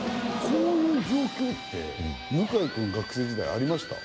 こういう状況って向井くん学生時代ありました？